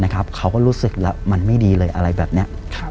เขาก็รู้สึกแล้วมันไม่ดีเลยอะไรแบบนี้